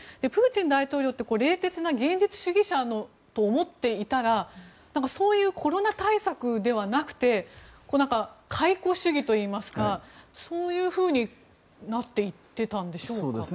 プーチン大統領って冷徹な現実主義者だと思っていたらそういうコロナ対策ではなくて回顧主義といいますかそういうふうになっていっていたんでしょうか。